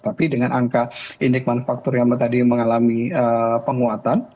tapi dengan angka indikman faktor yang tadi mengalami penguatan